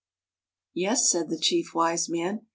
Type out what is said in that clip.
r " Yes," said the Chief Wise Man.